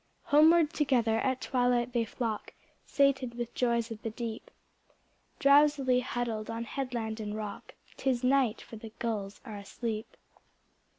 Homeward together at twilight they flock. Sated with joys of the deep. Drowsily huddled on headland and rock ŌĆö 'Tis night, for the gulls are asleep.